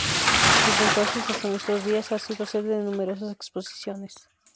Desde entonces hasta nuestros días ha sido sede de numerosas exposiciones.